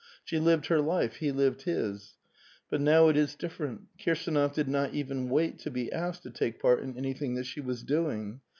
She lived her life ; he lived his. But now it is different. Kirsdnof did not even wait to be asked to take part in anything that she was doing.